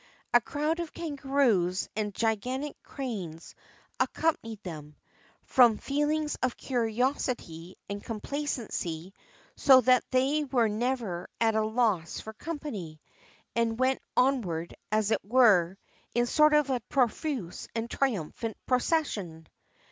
A crowd of kangaroos and gigantic cranes accompanied them, from feelings of curiosity and complacency; so that they were never at a loss for company, and went onward, as it were, in a sort of profuse and triumphant procession.